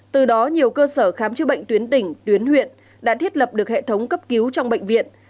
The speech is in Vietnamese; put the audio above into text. từ đó nhiều cơ sở khám chữa bệnh tuyến tỉnh tuyến huyện đã thiết lập được hệ thống cấp cứu trong bệnh viện